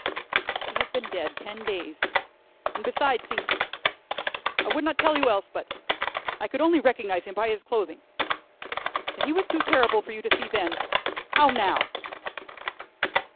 "He has been dead ten days, and besides he I would not tell you else, but I could only recognize him by his clothing. If he was too terrible for you to see then, how now?"